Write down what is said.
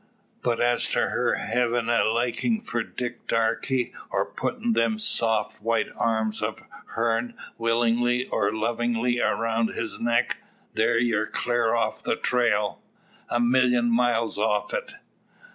But as to her hevin' a likin' for Dick Darke, or puttin' them soft white arms o' hern willingly or lovingly aroun' his neck, thar you're clar off the trail a million miles off o' it.